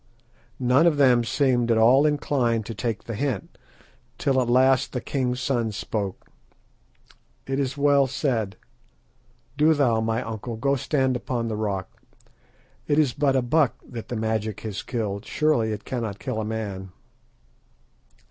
None of them seemed at all inclined to take the hint, till at last the king's son spoke. "It is well said. Do thou, my uncle, go stand upon the rock. It is but a buck that the magic has killed. Surely it cannot kill a man."